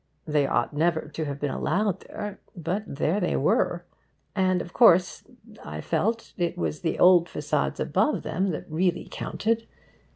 They ought never to have been allowed there; but there they were; and of course, I felt, it was the old facades above them that really counted.